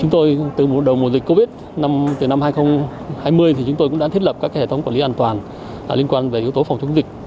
từ năm hai nghìn hai mươi chúng tôi đã thiết lập các hệ thống quản lý an toàn liên quan về yếu tố phòng chống dịch